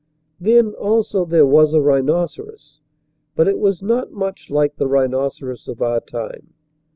Then, also, there was a rhinoceros, but it was not much like the rhinoceros of our time.